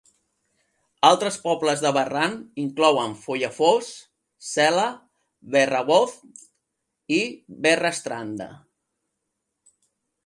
Altres pobles de Verran inclouen Follafoss, Sela, Verrabotn i Verrastranda.